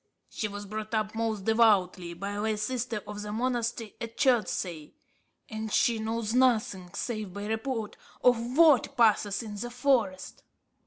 She was brought up most devoutly, by a lay sister of the monastery at Chertsey; and she knows nothing, save by report, of what passes in the forest."